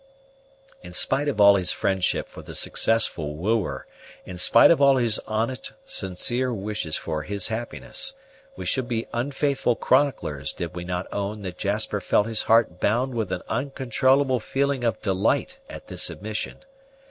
In spite of all his friendship for the successful wooer, in spite of all his honest, sincere wished for his happiness, we should be unfaithful chroniclers did we not own that Jasper felt his heart bound with an uncontrollable feeling of delight at this admission.